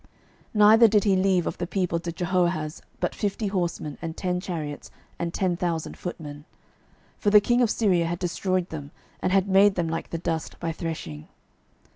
12:013:007 Neither did he leave of the people to Jehoahaz but fifty horsemen, and ten chariots, and ten thousand footmen; for the king of Syria had destroyed them, and had made them like the dust by threshing.